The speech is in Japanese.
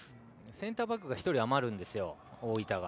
センターバックが１人余るんですよ、大分が。